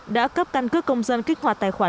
đã cấp căn cước công dân kích hoạt tài khoản